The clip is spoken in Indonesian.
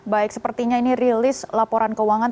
baik sepertinya ini rilis laporan keuangan